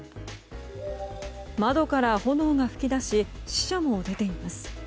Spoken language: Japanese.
窓から炎が噴き出し死者も出ています。